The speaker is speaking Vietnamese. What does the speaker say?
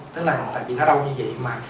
tức là tại vì nó đau như vậy mà